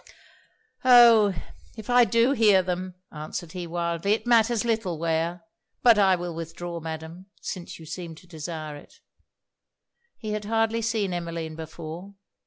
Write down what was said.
'Oh! if I do hear them,' answered he, wildly, 'it matters little where. But I will withdraw, Madam, since you seem to desire it.' He had hardly seen Emmeline before.